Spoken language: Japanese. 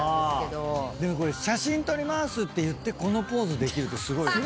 でも写真撮りますって言ってこのポーズできるってすごいよ。